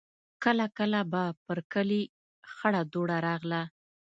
کله کله به پر کلي خړه دوړه راغله.